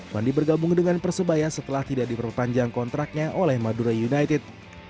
fandi bergabung dengan persebaya setelah tidak diperpanjang kontraknya oleh madura united